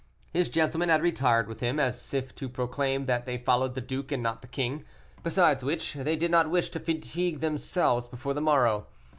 His gentlemen had retired with him, as if to proclaim that they followed the duke and not the king, besides which, they did not wish to fatigue themselves before the morrow.